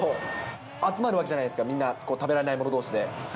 集まるわけじゃないですか、みんな、食べられない者どうしで。